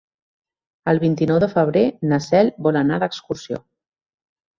El vint-i-nou de febrer na Cel vol anar d'excursió.